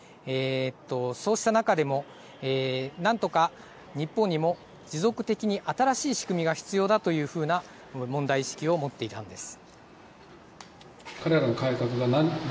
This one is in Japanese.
そうした中でも何とか日本にも持続的に新しい仕組みが必要だというふうな問題意識を持っていたんです。